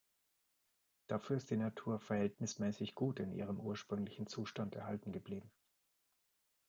Dafür ist die Natur verhältnismäßig gut in ihrem ursprünglichen Zustand erhalten geblieben.